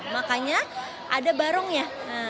makanya ada barongnya